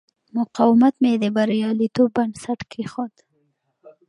مقاومت مې د بریالیتوب بنسټ کېښود.